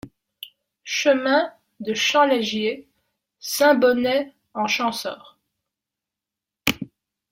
Chemin de Champ Lagier, Saint-Bonnet-en-Champsaur